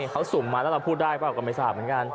เขาสุ่มมาแล้วเราพูดได้เปล่าก็ไม่ทราบเหมือนกัน